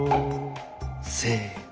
せの。